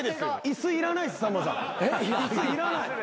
椅子いらない。